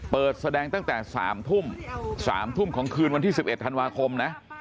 เปิดแสดงตั้งแต่๓ทุ่ม๓ทุ่มของคืนวันที่๑๑ธันวาคมนะ